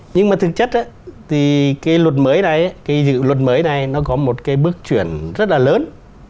nhưng mà thực chất thì cái luật mới này cái dự luật mới này nó có một cái bước chuyển rất là lớn